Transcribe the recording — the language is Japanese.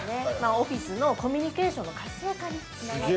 オフィスのコミュニケーションの活性化つながる。